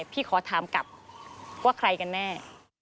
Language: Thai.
พี่ขอถามกลับว่าใครกันแน่